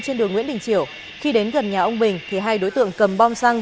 trên đường nguyễn đình triều khi đến gần nhà ông bình thì hai đối tượng cầm bom xăng